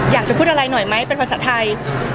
อยากจะพูดอะไรหน่อยไหมเป็นภาษาไทย